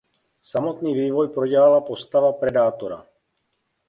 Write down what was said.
Samotný vývoj prodělala postava Predátora.